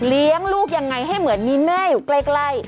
เลี้ยงลูกยังไงให้เหมือนมีแม่อยู่ใกล้